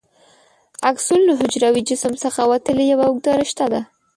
اکسون له حجروي جسم څخه وتلې یوه اوږده رشته ده.